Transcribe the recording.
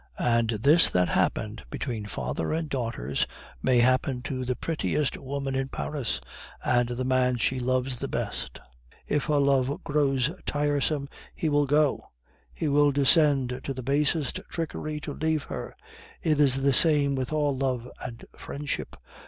And this that happened between father and daughters may happen to the prettiest woman in Paris and the man she loves the best; if her love grows tiresome, he will go; he will descend to the basest trickery to leave her. It is the same with all love and friendship.